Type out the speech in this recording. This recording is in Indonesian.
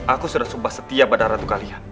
aku sudah sumpah setia pada ratu kalian